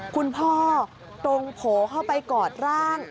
คุณพ่อตรงโผล่เข้าไปกอดร่าง